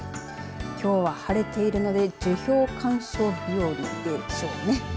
きょうは晴れているので樹氷鑑賞日和でしょうね。